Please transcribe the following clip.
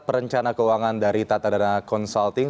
perencana keuangan dari tata dana konsulting